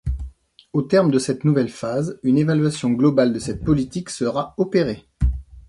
Au terme de cette nouvelle phase, une évaluation globale de cette politique sera opérée.